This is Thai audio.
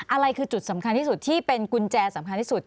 อะไรคือจุดสำคัญที่สุดที่เป็นกุญแจสำคัญที่สุด